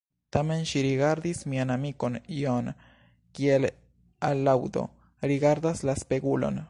Tamen ŝi rigardis mian amikon John, kiel alaŭdo rigardas la spegulon.